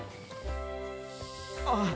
あっ！